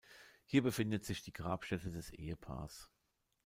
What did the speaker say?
Hier befindet sich die Grabstätte des Ehepaars.